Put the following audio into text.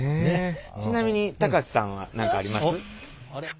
ちなみに高瀬さんは何かあります？